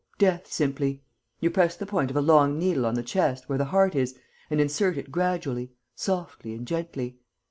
Death, simply.... You press the point of a long needle on the chest, where the heart is, and insert it gradually, softly and gently.